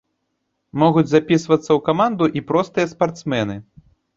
Могуць запісвацца ў каманду і простыя спартсмены.